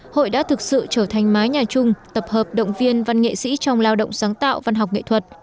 hội đã thực sự trở thành mái nhà chung tập hợp động viên văn nghệ sĩ trong lao động sáng tạo văn học nghệ thuật